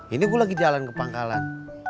ini gue lagi jalan ke pangkalan